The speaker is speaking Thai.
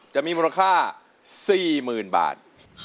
จะมีมูลค่า๔๐๐๐บาท